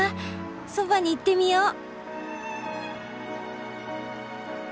そばに行ってみよう。